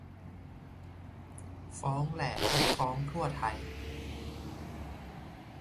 ฟ้องแหลกฟ้องทั่วไทย